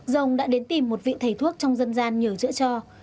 rồng đã đến tìm một vị thầy thuốc trong dân gian nhờ chữa cho